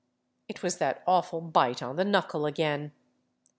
" It was that awful bite on the knuckle again.